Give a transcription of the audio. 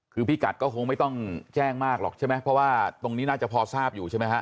คือพี่กัดก็คงไม่ต้องแจ้งมากหรอกใช่ไหมเพราะว่าตรงนี้น่าจะพอทราบอยู่ใช่ไหมฮะ